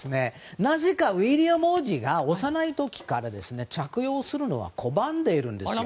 なぜかウィリアム王子が幼い時から着用するのを拒んでいるんですよ。